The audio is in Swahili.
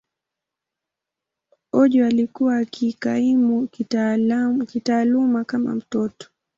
Ojo alikuwa akikaimu kitaaluma kama mtoto.